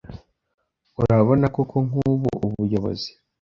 Urabona koko nk’ubu ubuyobozi